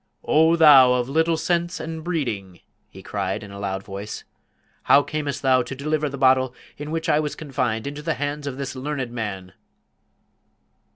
"O thou of little sense and breeding!" he cried, in a loud voice; "how camest thou to deliver the bottle in which I was confined into the hands of this learned man?"